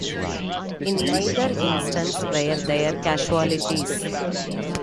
In neither instance were there casualties.